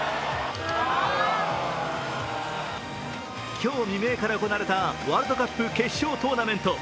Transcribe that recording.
今日未明から行われたワールドカップ決勝トーナメント。